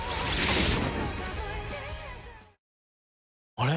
あれ？